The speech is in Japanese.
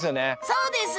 そうです！